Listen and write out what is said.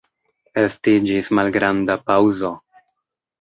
Estiĝis malgranda paŭzo.